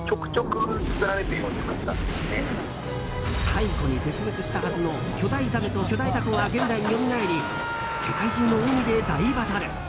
太古に絶滅したはずの巨大ザメと巨大タコが現代によみがえり世界中の海で大バトル。